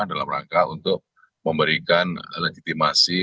dalam rangka untuk memberikan legitimasi